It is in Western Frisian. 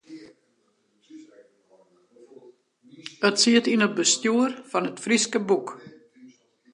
Ik siet yn it bestjoer fan It Fryske Boek.